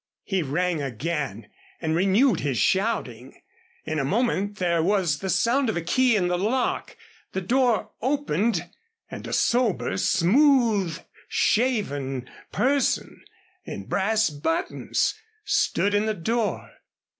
He rang again and renewed his shouting. In a moment there was the sound of a key in the lock, the door opened, and a sober, smooth shaven person in brass buttons stood in the door.